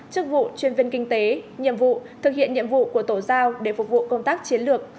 chức vụ chuyên viên kinh tế nhiệm vụ thực hiện nhiệm vụ của tổ giao để phục vụ công tác chiến lược